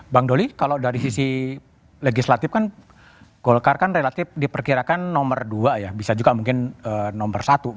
bang doli kalau dari sisi legislatif kan golkar kan relatif diperkirakan nomor dua ya bisa juga mungkin nomor satu